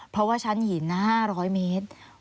เพราะว่าชั้นหิน๕๐๐เมตร